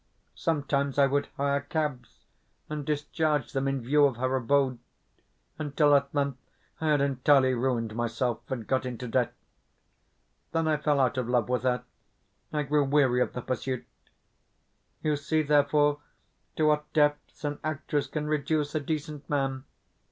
Sometimes I would hire cabs, and discharge them in view of her abode; until at length I had entirely ruined myself, and got into debt. Then I fell out of love with her I grew weary of the pursuit.... You see, therefore, to what depths an actress can reduce a decent man.